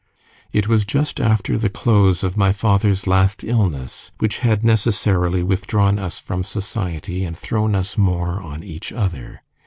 It was just after the close of my father's last illness, which had necessarily withdrawn us from society and thrown us more on each other.